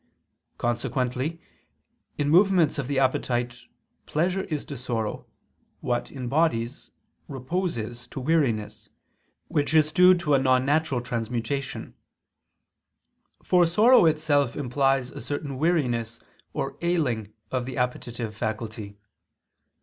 Consequently in movements of the appetite pleasure is to sorrow, what, in bodies, repose is to weariness, which is due to a non natural transmutation; for sorrow itself implies a certain weariness or ailing of the appetitive faculty.